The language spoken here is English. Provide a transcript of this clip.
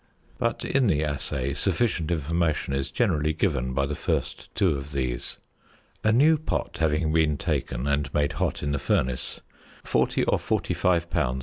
But in the assay sufficient information is generally given by the first two of these. A new pot having been taken and made hot in the furnace, 40 or 45 lbs.